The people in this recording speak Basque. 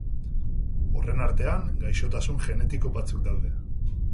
Horren artean, gaixotasun genetiko batzuk daude.